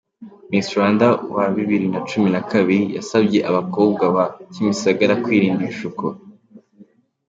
Miss Rwanda wa bibiri nacumi nakabiri yasabye abakobwa ba Kimisagara kwirinda ibishuko